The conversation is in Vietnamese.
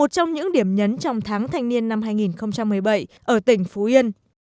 một trong những điểm nhấn trong tháng thanh niên năm hai nghìn một mươi bảy ở tỉnh phú yên